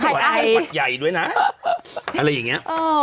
อะไรอย่างเงี้ย